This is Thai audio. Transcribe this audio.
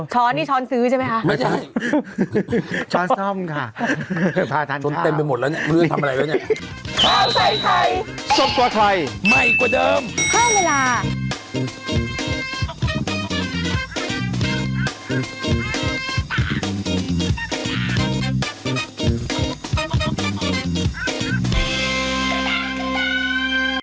นี่ช้อนซื้อใช่ไหมคะไม่ใช่ช้อนซ่อมค่ะจนเต็มไปหมดแล้วเนี่ยไม่รู้จะทำอะไรไว้เนี่ย